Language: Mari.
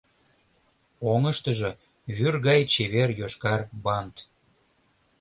Оҥыштыжо — вӱр гай чевер йошкар бант.